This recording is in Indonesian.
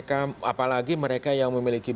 apalagi mereka yang memiliki